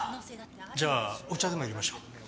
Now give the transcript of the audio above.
じゃあお茶でもいれましょう。